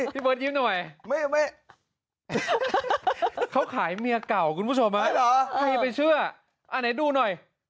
พี่เบิร์ดยิ้มหน่อยเขาขายเมียเก่าคุณผู้ชมใครไปเชื่อไหนดูหน่อย